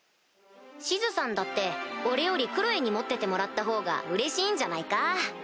シズさんだって俺よりクロエに持っててもらったほうがうれしいんじゃないか？